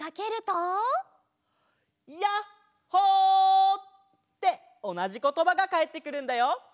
「ヤッホー！」っておなじことばがかえってくるんだよ！